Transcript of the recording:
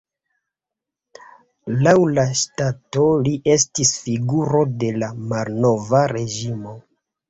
Laŭ la ŝtato li estis figuro de la malnova reĝimo.